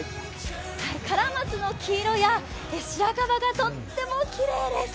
からまつの黄色や白樺がとってもきれいです。